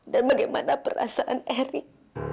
dan bagaimana perasaan erik